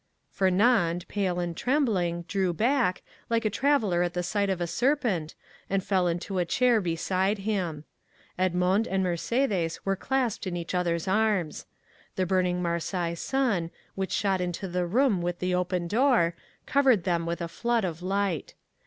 Fernand, pale and trembling, drew back, like a traveller at the sight of a serpent, and fell into a chair beside him. Edmond and Mercédès were clasped in each other's arms. The burning Marseilles sun, which shot into the room through the open door, covered them with a flood of light.